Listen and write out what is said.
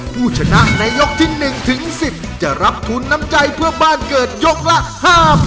ผู้ชนะในยกที่๑ถึง๑๐จะรับทุนน้ำใจเพื่อบ้านเกิดยกละ๕๐๐๐